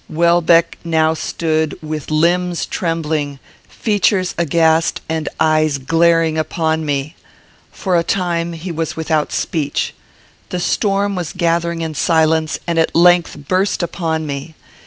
Welbeck now stood, with limbs trembling, features aghast, and eyes glaring upon me. For a time he was without speech. The storm was gathering in silence, and at length burst upon me.